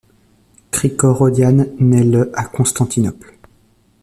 Krikor Odian naît le à Constantinople.